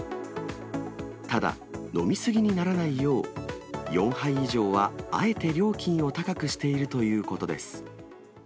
ただ、飲み過ぎにならないよう、４杯以上はあえて料金を高くしているということです。